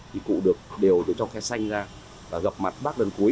thì cụ được đều được trong khe xanh ra và gặp mặt bác lần cuối